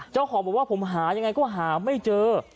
เจ้าของบอกว่าผมหายังไงก็หาไม่เจอ